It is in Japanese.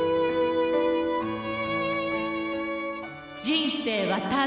「人生は旅。